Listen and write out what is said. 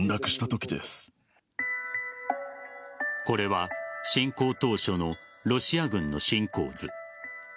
これは侵攻当初のロシア軍の侵攻図。